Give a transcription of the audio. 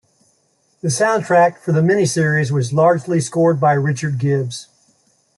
The soundtrack for the miniseries was largely scored by Richard Gibbs.